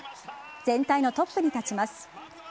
全体のトップに立ちます。